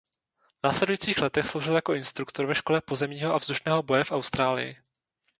V následujících letech sloužil jako instruktor ve škole pozemního a vzdušného boje v Austrálii.